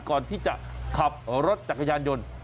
ก่อนที่จะขับรถจักรยานยนต์